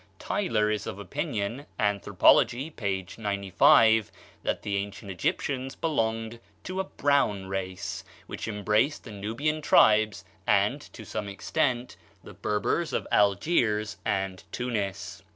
Tylor is of opinion ("Anthropology," p. 95) that the ancient Egyptians belonged to a brown race, which embraced the Nubian tribes and, to some extent, the Berbers of Algiers and Tunis.